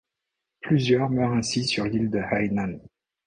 Plusieurs meurent ainsi sur l'île de Hainan.